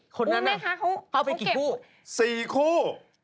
โอ้โฮแม่ค้าเขาไปกี่คู่